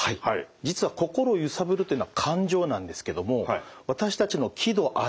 実は心をゆさぶるというのは感情なんですけども私たちの喜怒哀